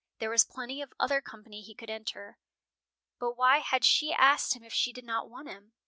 There was plenty of other company he could enter. But why had she asked him if she did not want him?